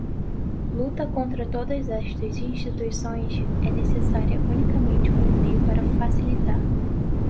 luta contra todas estas instituições é necessária unicamente como meio para facilitar